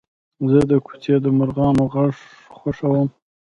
زه د کوڅې د مرغانو غږ خوښوم.